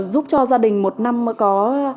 giúp cho gia đình một năm có